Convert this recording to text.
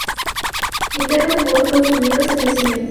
Quintero se mudó a Estados Unidos, el mes siguiente.